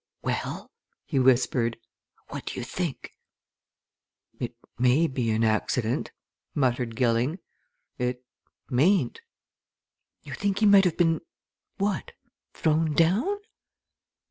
"Well?" he whispered. "What do you think?" "It may be accident," muttered Gilling. "It mayn't." "You think he might have been what? thrown down?"